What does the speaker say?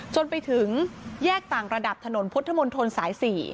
จนไปถึงแยกต่างระดับถนนพุทธมนตรสาย๔